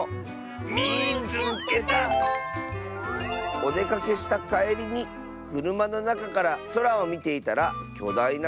「おでかけしたかえりにくるまのなかからそらをみていたらきょだいな